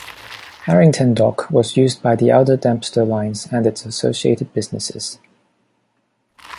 Harrington Dock was used by the Elder Dempster Lines and its associated businesses.